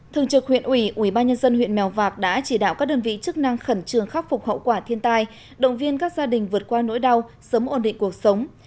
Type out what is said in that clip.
thường trực huyện ủy ủy ba nhân dân huyện mèo vạc đã chỉ đạo các đơn vị chức năng khẩn trường khắc phục hậu quả thiên tai động viên các gia đình vượt qua nỗi đau sớm ổn định cuộc sống